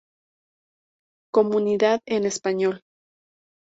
Comunidad en español.